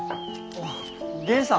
あっ源さん。